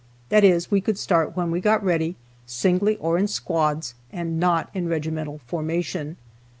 That is, we could start when we got ready, singly or in squads, and not in regimental formation.